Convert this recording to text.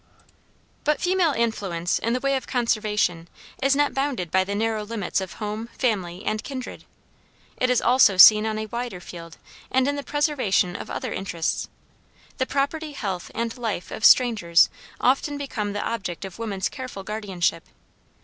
But female influence in the way of conservation, is not bounded by the narrow limits of home, family, and kindred. It is also seen on a wider field and in the preservation of other interests. The property, health, and life of strangers often become the object of woman's careful guardianship.